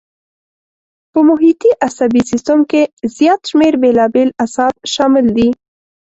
په محیطي عصبي سیستم کې زیات شمېر بېلابېل اعصاب شامل دي.